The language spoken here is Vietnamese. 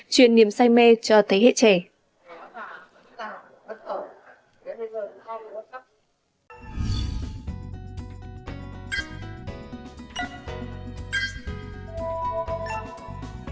truyền niềm say mê cho thế hệ trẻ